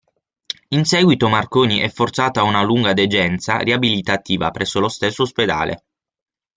In seguito Marconi è forzato a una lunga degenza riabilitativa presso lo stesso ospedale.